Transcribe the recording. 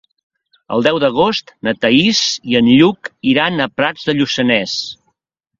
El deu d'agost na Thaís i en Lluc iran a Prats de Lluçanès.